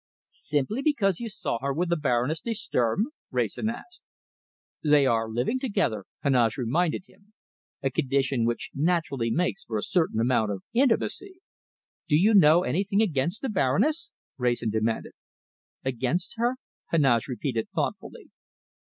"Simply because you saw her with the Baroness de Sturm?" Wrayson asked. "They are living together," Heneage reminded him, "a condition which naturally makes for a certain amount of intimacy." "Do you know anything against the Baroness?" Wrayson demanded. "Against her?" Heneage repeated thoughtfully.